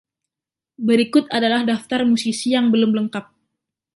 Berikut adalah daftar musisi yang belum lengkap.